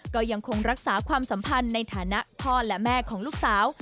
ก็ยังคงรักษาความสัมพันธ์ในฐานะพ่อและแม่ของลูกสาว